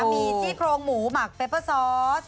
มีซี่โครงหมูหมักเปเปอร์ซอส